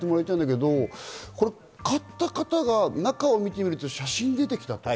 買った方が中を見てみると写真が出てきたと。